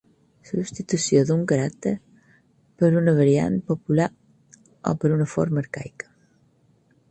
Substitució d'un caràcter per una variant popular o per una forma arcaica.